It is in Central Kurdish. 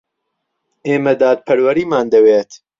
ئێمە دادپەروەریمان دەوێت.